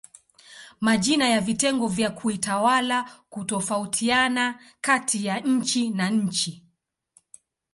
Majina ya vitengo vya kiutawala hutofautiana kati ya nchi na nchi.